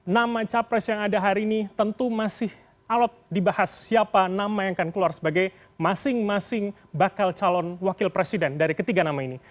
nama capres yang ada hari ini tentu masih alot dibahas siapa nama yang akan keluar sebagai masing masing bakal calon wakil presiden dari ketiga nama ini